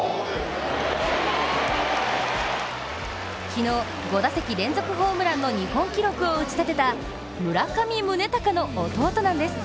昨日、５打席連続ホームランの日本記録を打ち立てた村上宗隆の弟なんです。